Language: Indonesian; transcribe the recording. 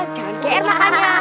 jangan ke air makannya